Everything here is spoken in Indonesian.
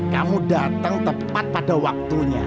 kamu datang tepat pada waktunya